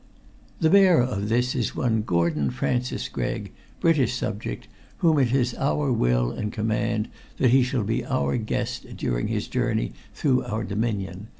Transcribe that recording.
"The bearer of this is one Gordon Francis Gregg, British subject, whom it is Our will and command that he shall be Our guest during his journey through our dominion.